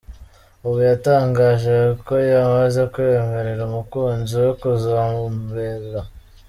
Ubu yatangaje ko yamaze kwemerera umukunzi we kuzamubera